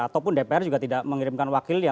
ataupun dpr juga tidak mengirimkan wakilnya